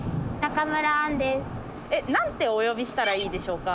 え何てお呼びしたらいいでしょうか？